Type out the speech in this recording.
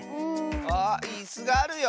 あっいすがあるよ！